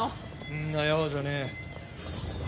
んなやわじゃねえ。